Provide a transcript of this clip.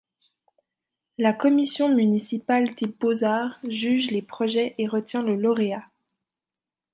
La commission municipale des Beaux-Arts juge les projets et retient le lauréat.